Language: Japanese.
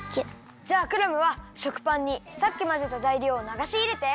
じゃあクラムは食パンにさっきまぜたざいりょうをながしいれて。